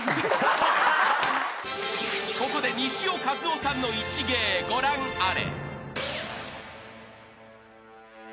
［ここで西尾一男さんの一芸ご覧あれ］